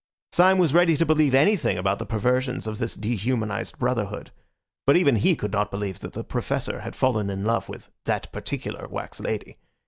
Syme was ready to believe anything about the perversions of this dehumanized brotherhood; but even he could not believe that the Professor had fallen in love with that particular wax lady.